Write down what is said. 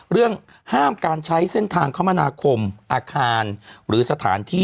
เรื่องห้ามการใช้เส้นทางคมนาคมอาคารหรือสถานที่